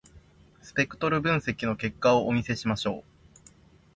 スペクトル分析の結果をお見せしましょう。